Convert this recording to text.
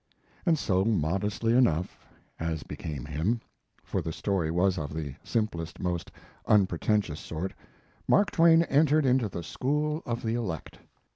And so, modestly enough, as became him, for the story was of the simplest, most unpretentious sort, Mark Twain entered into the school of the elect.